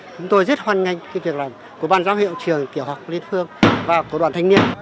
chúng tôi rất hoan nghênh cái việc làm của bàn giáo hiệu trường tiểu học liên phương và của đoạn thanh niên